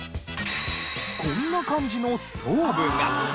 こんな感じのストーブが。